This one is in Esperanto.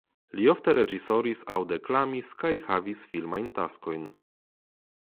Li ofte reĝisoris aŭ deklamis kaj havis filmajn taskojn.